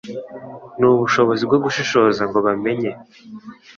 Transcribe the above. n’ubushobozi bwo gushishoza ngo bamenye